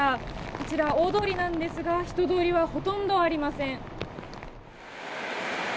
こちら大通りですが人通りはほとんどありません。